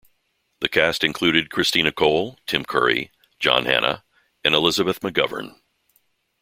The cast included Christina Cole, Tim Curry, John Hannah and Elizabeth McGovern.